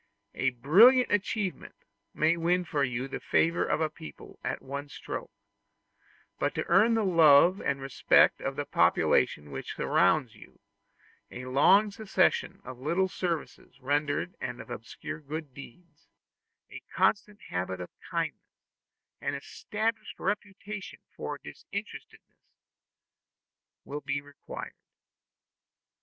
A brilliant achievement may win for you the favor of a people at one stroke; but to earn the love and respect of the population which surrounds you, a long succession of little services rendered and of obscure good deeds a constant habit of kindness, and an established reputation for disinterestedness will be required.